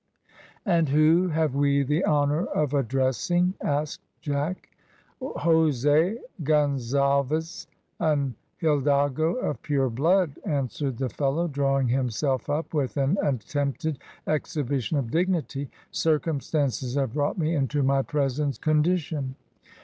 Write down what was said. "And who have we the honour of addressing?" asked Jack. "Jose Gonzalves, an hidalgo of pure blood," answered the fellow, drawing himself up with an attempted exhibition of dignity. "Circumstances have brought me into my present condition."